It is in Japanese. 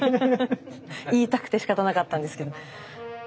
言いたくてしかたなかったんですけど。